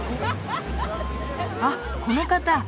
あっこの方。